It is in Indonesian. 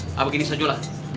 apa begini saja lah